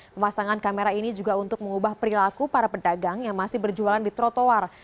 pemasangan kamera ini juga untuk mengubah perilaku para pedagang yang masih berjualan di trotoar